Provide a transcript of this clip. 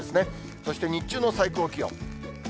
そして日中の最高気温。